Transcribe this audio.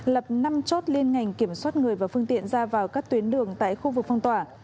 lập năm chốt liên ngành kiểm soát người và phương tiện ra vào các tuyến đường tại khu vực phong tỏa